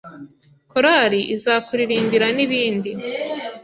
korari izakuririmbira n’ibindi.